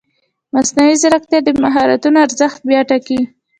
مصنوعي ځیرکتیا د مهارتونو ارزښت بیا ټاکي.